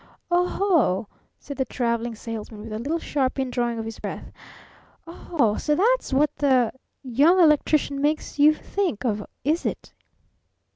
"Oh ho!" said the Traveling Salesman with a little sharp indrawing of his breath. "Oh ho! So that's what the Young Electrician makes you think of, is it?"